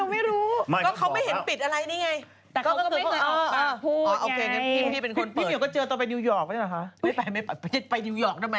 ไม่รู้หนูไม่รู้